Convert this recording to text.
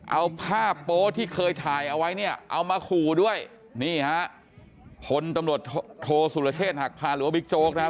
เอาภาพโป๊ที่เคยถ่ายเอาไว้เนี่ยเอามาขู่ด้วยนี่ฮะพลตำรวจโทสุรเชษฐหักพาหรือว่าบิ๊กโจ๊กนะครับ